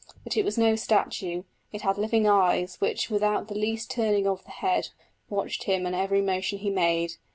But it was no statue; it had living eyes which without the least turning of the head watched him and every motion he made.